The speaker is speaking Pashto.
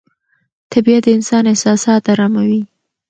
طبیعت د انسان احساسات اراموي